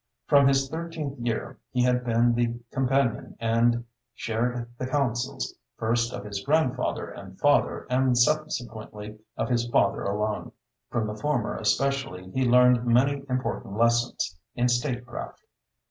From his thirteenth year he had been the companion and shared the counsels, first of his grandfather and father, and subsequently of his father alone. From the former especially he learned many important lessons in statecraft.